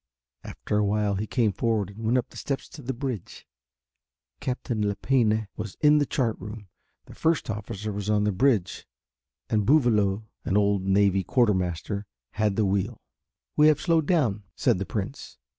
After a while he came forward and went up the steps to the bridge. Captain Lepine was in the chart room, the first officer was on the bridge and Bouvalot, an old navy quarter master, had the wheel. "We have slowed down," said the Prince.